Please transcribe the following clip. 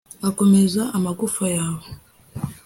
azakomeza amagufwa yawe